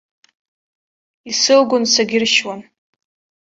Исылгон, сагьыршьуан.